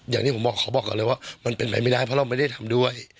อย่างที่ผมบอกขอบอกก่อนเลยว่ามันเป็นไปไม่ได้เพราะเราไม่ได้ทำด้วย